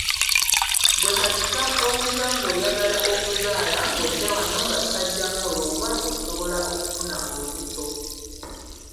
Gwe kasita owulira ng’oyagala okuzaala ng’ojja wano nga tukaggyamu olwo oba osobola okufuna olubuto.